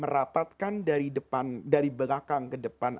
merapatkan dari belakang ke depan